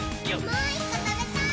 もう１こ、たべたい！